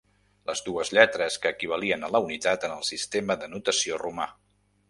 Les dues lletres que equivalien a la unitat en el sistema de notació romà.